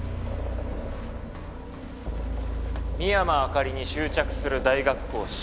深山朱莉に執着する大学講師。